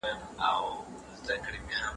وزیر بابا په ډېره روښانه وايي چې :